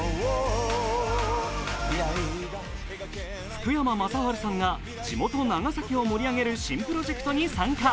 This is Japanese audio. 福山雅治さんが地元・長崎を盛り上げる新プロジェクトに参加。